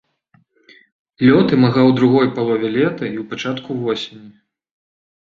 Лёт імага ў другой палове лета і ў пачатку восені.